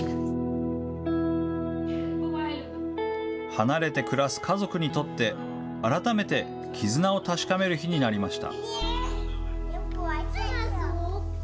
離れて暮らす家族にとって、改めて絆を確かめる日になりました。